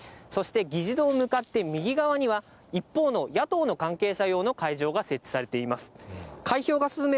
そして議事堂向かって右側には、一方の野党の関係者用の会場が設置されています。